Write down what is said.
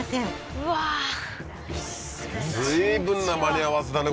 うわー随分な間に合わせだね